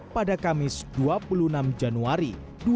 pada kamis dua puluh enam januari dua ribu dua puluh